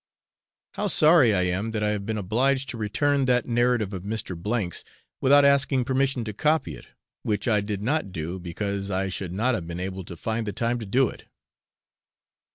How sorry I am that I have been obliged to return that narrative of Mr. C 's without asking permission to copy it, which I did not do because I should not have been able to find the time to do it!